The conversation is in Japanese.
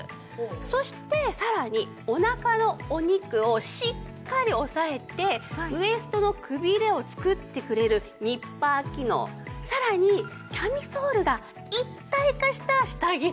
そしてさらにお腹のお肉をしっかり押さえてウエストのくびれを作ってくれるニッパー機能さらにキャミソールが一体化した下着なんですよ。